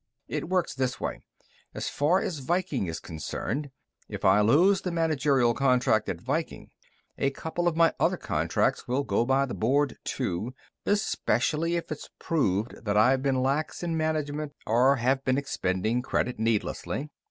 "It works this way, as far as Viking is concerned: If I lose the managerial contract at Viking, a couple of my other contracts will go by the board, too especially if it's proved that I've been lax in management or have been expending credit needlessly.